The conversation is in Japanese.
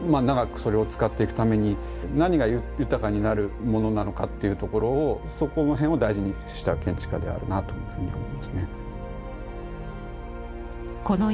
長くそれを使っていくために何が豊かになるものなのかっていうところをそこの辺を大事にした建築家であるなというふうに思いますね。